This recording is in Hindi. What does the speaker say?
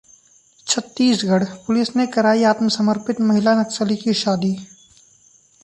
छत्तीसगढ़: पुलिस ने कराई आत्मसमर्पित महिला नक्सली की शादी